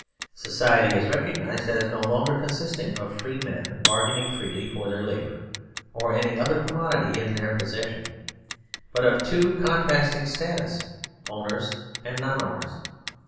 Society is recognised as no longer consisting of free men bargaining freely for their labour or any other commodity in their posses sion, but of two contrasting status, owners and non owners.